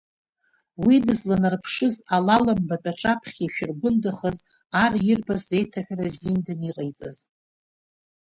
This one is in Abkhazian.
Уи дызланарԥшыз алаламбатә аҿаԥхьа ишәыргәындахаз ар ирбаз аиҭаҳәара зиндан иҟаиҵеит.